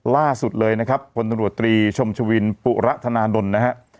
ล่าสุดเลยนะครับบนตรวจตรีชมชวินปุระธนาดลนะครับ